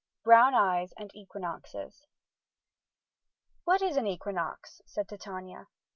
BROWN EYES AND EQUINOXES "What is an equinox?" said Titania.